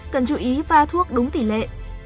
cần chú ý pha thuốc đúng tỷ lệ